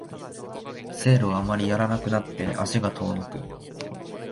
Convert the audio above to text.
セールをあまりやらなくなって足が遠のく